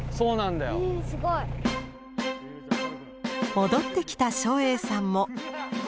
戻ってきた照英さんも。